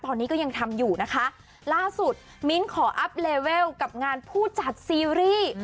ตอนนี้ก็ยังทำอยู่นะคะล่าสุดมิ้นท์ขออัพเลเวลกับงานผู้จัดซีรีส์